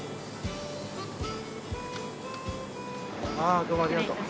ああどうもありがとう。